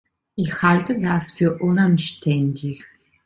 Ich halte das für unanständig.